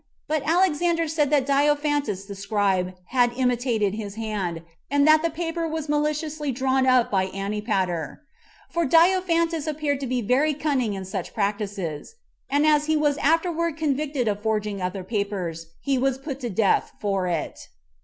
But Alexander said that Diophantus the scribe had imitated his hand, and that the paper was maliciously drawn up by Antipater; for Diophantus appeared to be very cunning in such practices; and as he was afterward convicted of forging other papers, he was put to death for it.